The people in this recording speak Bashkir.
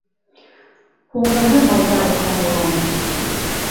Һуңғыһы майҙа уҙғарылғайны.